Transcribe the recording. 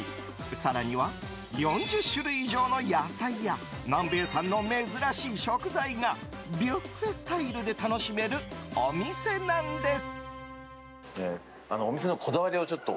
更には４０種類以上の野菜や南米産の珍しい食材がビュッフェスタイルで楽しめるお店なんです。